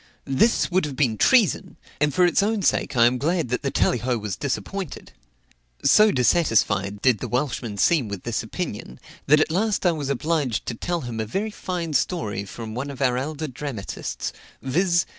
This would have been treason; and for its own sake I am glad that the Tallyho was disappointed." So dissatisfied did the Welshman seem with this opinion, that at last I was obliged to tell him a very fine story from one of our elder dramatists, viz.